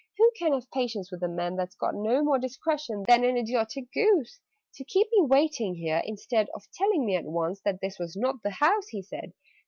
"Who can have patience with a man That's got no more discretion than An idiotic goose? "To keep me waiting here, instead Of telling me at once That this was not the house!" he said.